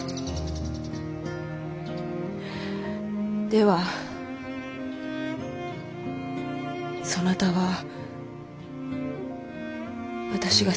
ではそなたは私が好きか。